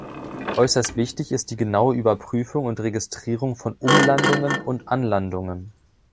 Äußerst wichtig ist die genaue Überprüfung und Registrierung von Umlandungen und Anlandungen.